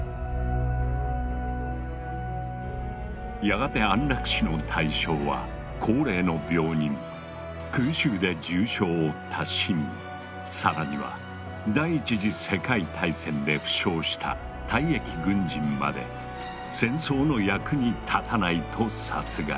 やがて安楽死の対象は高齢の病人空襲で重傷を負った市民更には第一次世界大戦で負傷した退役軍人まで「戦争の役に立たない」と殺害。